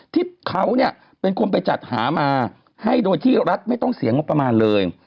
ที่เขาเนี่ยเป็นคนไปจัดหามาให้โดยที่รัฐไม่ต้องเสียงบประมาณเลย